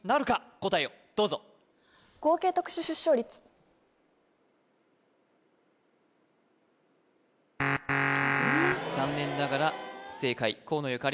答えをどうぞあっごめんなさい残念ながら不正解河野ゆかり